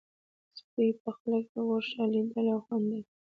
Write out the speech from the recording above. سپي په خوب کې غوښه لیدله او خندل.